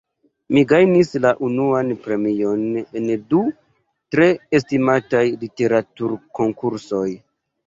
Mi gajnis la unuan premion en du tre estimataj literaturkonkursoj.